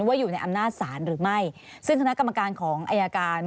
ว่าอยู่ในอำนาจศาลหรือไม่ซึ่งคณะกรรมการของอายการ